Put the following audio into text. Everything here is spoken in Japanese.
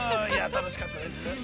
◆楽しかったです。